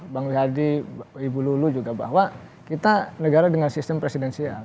bang wilhadi ibu lulu juga bahwa kita negara dengan sistem presidensial